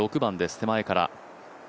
手前から。